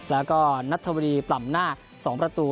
แล้วก็นัทธวรีปล่ำหน้า๒ประตู